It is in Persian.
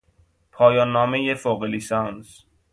پایان نامهی فوق لیسانس